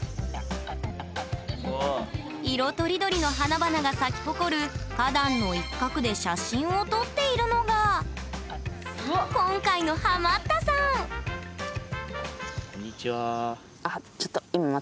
色とりどりの花々が咲き誇る花壇の一角で写真を撮っているのが今回のハマったさん！